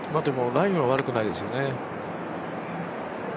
でも、ラインは悪くないですよね。